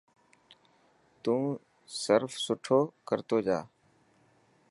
تو صرف سٺو ڪرتو جا.